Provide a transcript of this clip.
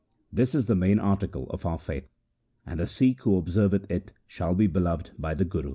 This is the main article of our faith ; and the Sikh who observeth it shall be beloved by the Guru.